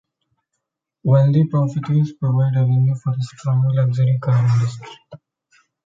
Wealthy profiteers provide revenue for a strong luxury car industry.